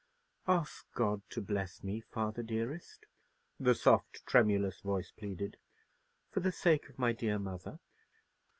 "Ask God to bless me, father dearest," the soft, tremulous voice pleaded, "for the sake of my dead mother."